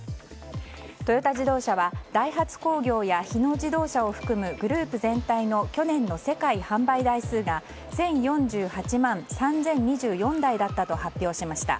トヨタ自動車は、ダイハツ工業や日野自動車を含むグループ全体の去年の世界販売台数が１０４８万３０２４台だったと発表しました。